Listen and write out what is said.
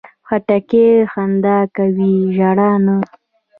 خټکی خندا کوي، ژړا نه.